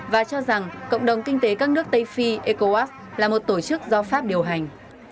và cho rằng cộng đồng kinh tế các nước tây phi ecowas là một tổ chức do pháp điều hành